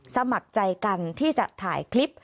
สมัครใจกันที่จะถ่ายคลิป